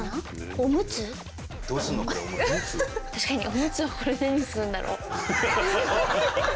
おむつをこれで何するんだろう？